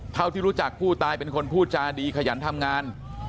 เท่าที่รู้จักผู้ตายเป็นคนพูดจาดีขยันทำงาน